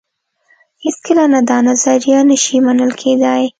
هېڅکله نه دا نظریه نه شي منل کېدای.